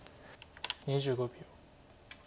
２５秒。